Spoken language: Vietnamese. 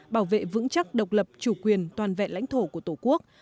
bảo vệ vững chắc độc lập chủ quyền toàn vẹn lãnh thổ của tổ quốc